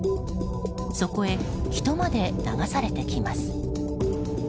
そこへ、人まで流されてきます。